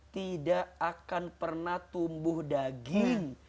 tidak akan pernah tumbuh daging